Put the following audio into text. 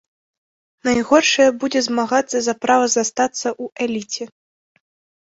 Найгоршая будзе змагацца за права застацца ў эліце.